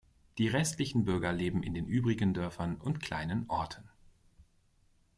Die restlichen Bürger leben in den übrigen Dörfern und kleinen Orten.